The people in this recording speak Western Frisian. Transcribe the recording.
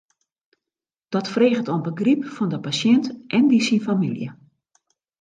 Dat freget om begryp fan de pasjint en dy syn famylje.